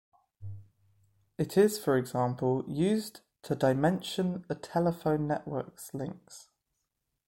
It is, for example, used to dimension a telephone network's links.